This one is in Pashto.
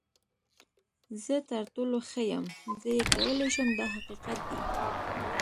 زه تر ټولو ښه یم، زه یې کولی شم دا حقیقت دی.